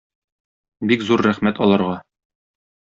Бик зур рәхмәт аларга.